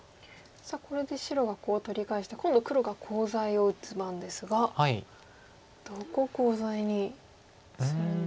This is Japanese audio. これで白がコウを取り返して今度黒がコウ材を打つ番ですがどこコウ材にするんでしょう。